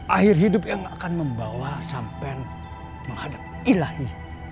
akhir hidup yang akan membawa sampean menghadapi ilahi